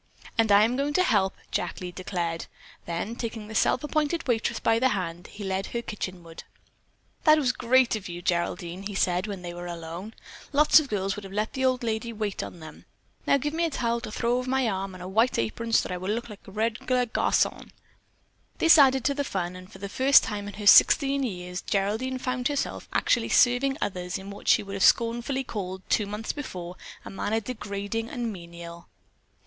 "And I am going to help," Jack Lee declared. Then, taking the self appointed waitress by the hand, he led her kitchenward. "That was great of you, Geraldine," he said when they were alone. "Lots of girls would have let the old lady wait on them. Now give me a towel to throw over my arm, and a white apron so that I will look like a regular garcon." This added to the fun, and for the first time in her sixteen years Geraldine found herself actually serving others in what she would have scornfully called, two months before, a manner degrading and menial.